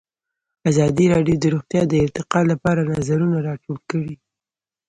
ازادي راډیو د روغتیا د ارتقا لپاره نظرونه راټول کړي.